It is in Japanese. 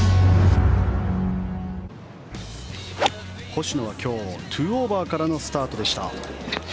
星野は今日、２オーバーからのスタートでした。